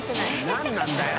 何なんだよ！